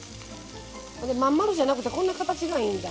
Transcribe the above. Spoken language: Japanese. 真ん丸じゃなくてこんな形がいいんだ。